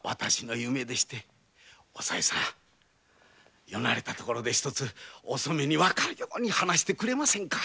おさいさん世慣れたところでひとつお染にわかるように話してくれませんか？